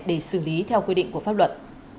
để xử lý theo quy định của pháp luật